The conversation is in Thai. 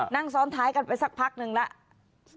นั่งซ้อนท้ายกันไปสักพักนึงแล้ว